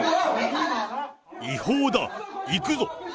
違法だ、行くぞ！